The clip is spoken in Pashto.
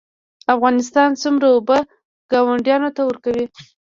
افغانستان څومره اوبه ګاونډیانو ته ورکوي؟